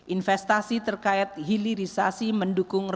investasi terkait hilirisasi mendukung